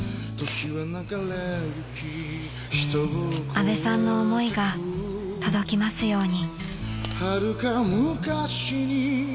［阿部さんの思いが届きますように］